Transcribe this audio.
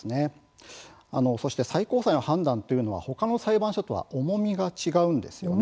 そして最高裁の判断というのはほかの裁判所とは重みが違うんですよね。